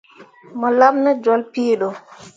Mo laɓ ne jolle pii ɗo.